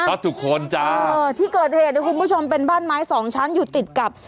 เพราะทุกคนจ้าเออที่เกิดเหตุนะคุณผู้ชมเป็นบ้านไม้สองชั้นอยู่ติดกับ